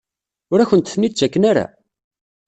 Ur akent-ten-id-ttaken ara?